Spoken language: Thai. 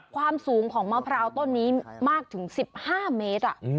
ความสูงของมะพร้าวต้นนี้มากถึง๑๕เมตร